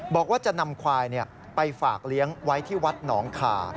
บอกว่าจะนำควายไปฝากเลี้ยงไว้ที่วัดหนองคา